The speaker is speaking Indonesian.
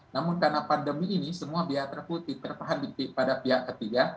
namun karena pandemi ini semua pihak terputih terpahan pada pihak ketiga